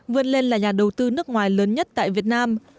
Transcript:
vươn lên là nhà đầu tư nước ngoài lớn nhất tại việt nam